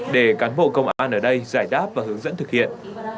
để cán bộ công an ở đây giải đáp và hướng dẫn thực hiện